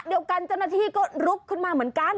เดียวกันเจ้าหน้าที่ก็ลุกขึ้นมาเหมือนกัน